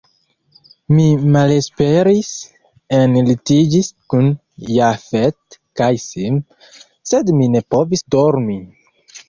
Mi malesperis, enlitiĝis kun Jafet kaj Sim, sed mi ne povis dormi.